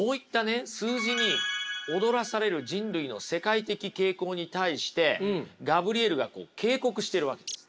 数字に踊らされる人類の世界的傾向に対してガブリエルが警告してるわけです。